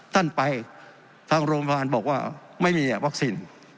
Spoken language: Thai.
ท่านไปทางโรงพยาบาลบอกว่าไม่มีวัคซีน